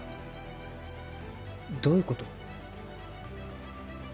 どういうこと？